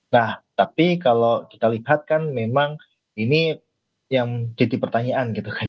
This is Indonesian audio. nah tapi kalau kita lihat kan memang ini yang jadi pertanyaan gitu kan